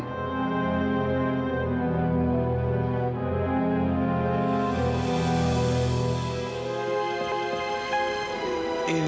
iry di mana